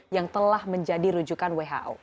yang telah menjadi rujukan who